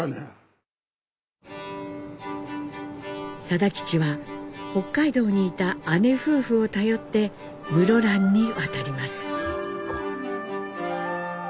定吉は北海道にいた姉夫婦を頼って室蘭に渡ります。